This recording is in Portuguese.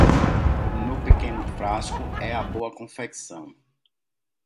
No pequeno frasco é a boa confecção.